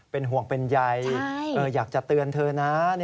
เป็นห่วงเป็นใยอยากจะเตือนเธอนะ